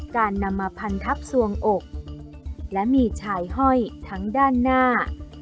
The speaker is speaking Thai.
การนำมาพันทับสวงอกและมีชายห้อยทั้งด้านหน้า